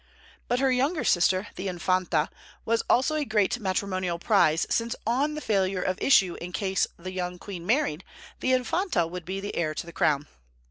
But her younger sister, the Infanta, was also a great matrimonial prize, since on the failure of issue in case the young queen married, the Infanta would be the heir to the crown.